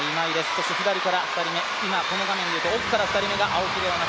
そして左から２人目、今、この画面でいうと奥から２人目が、青木玲緒樹。